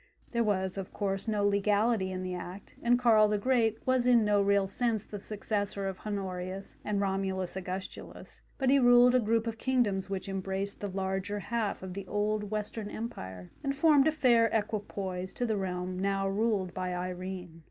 There was, of course, no legality in the act, and Karl the Great was in no real sense the successor of Honorius and Romulus Augustulus, but he ruled a group of kingdoms which embraced the larger half of the old Western Empire, and formed a fair equipoise to the realm now ruled by Irene.